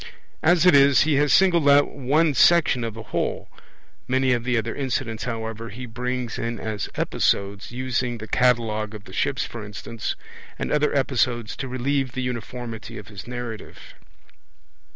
As it is, he has singled out one section of the whole; many of the other incidents, however, he brings in as episodes, using the Catalogue of the Ships, for instance, and other episodes to relieve the uniformity of his narrative.